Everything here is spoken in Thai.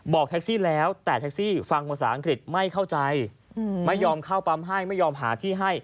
แท็กซี่แล้วแต่แท็กซี่ฟังภาษาอังกฤษไม่เข้าใจไม่ยอมเข้าปั๊มให้ไม่ยอมหาที่ให้